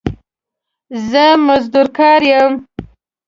زه مزدور کار يم